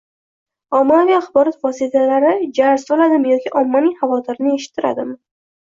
Ommaviy axborot vositalari «jar soladi»mi yoki ommaning xavotirini eshittiradimi?